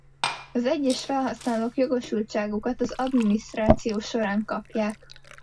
Az egyes felhasználók jogosultságukat az adminisztráció során kapják.